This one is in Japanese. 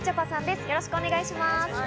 よろしくお願いします。